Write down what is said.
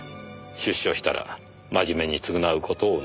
「出所したら真面目に償うことを望みます」